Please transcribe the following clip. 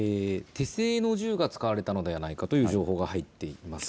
手製の銃が使われたのではないかという情報が入っています。